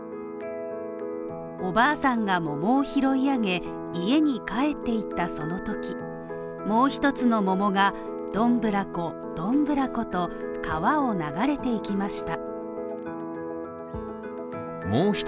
おばあさんが桃を拾い上げ、家に帰って行ったその時、もう一つの桃がどんぶらこどんぶらこと川を流れていきました。